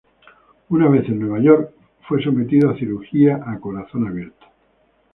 Una vez en Nueva York fue sometido a cirugía a corazón abierto.